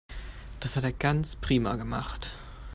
Das hat er ganz prima gemacht.